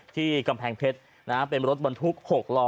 ที่กำแพงเพชรนะฮะเป็นมันรถบรรทุก๖ล้อ